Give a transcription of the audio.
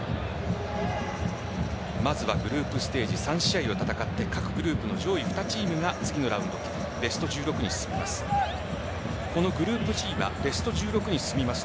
まずはグループステージ３試合を戦って各グループの上位２チームが次のラウンドベスト１６に進みます。